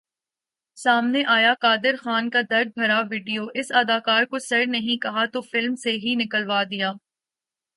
سامنے آیا قادر خان کا درد بھرا ویڈیو ، اس اداکار کو سر نہیں کہا تو فلم سے ہی نکلوادیا